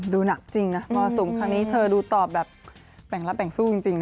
ดูหนักจริงนะมรสุมครั้งนี้เธอดูตอบแบบแบ่งรับแบ่งสู้จริง